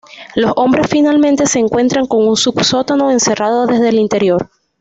Los hombres finalmente se encuentran con un sub-sótano, encerrado desde el interior.